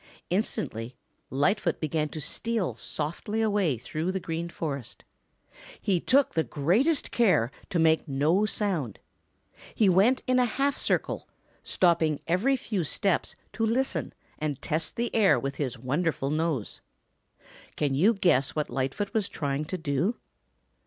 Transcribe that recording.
Instantly Lightfoot began to steal softly away through the Green Forest. He took the greatest care to make no sound. He went in a half circle, stopping every few steps to listen and test the air with his wonderful nose. Can you guess what Lightfoot was trying to do?